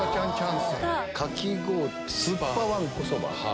かき氷酸っぱわんこそば。